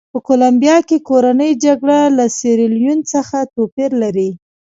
په کولمبیا کې کورنۍ جګړه له سیریلیون څخه توپیر لري.